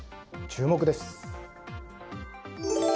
注目です。